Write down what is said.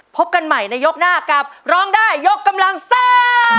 พบกันใหม่ในยกหน้ากับร้องได้ยกกำลังซ่า